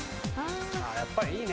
やっぱりいいね。